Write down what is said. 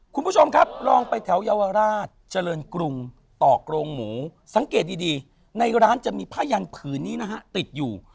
คุณผู้ชมครับลองไปแถวเยาวราชเจริญกรุงต่อกรงหมูสังเกตดีในร้านจะมีผ้ายันผืนนี้นะฮะติดอยู่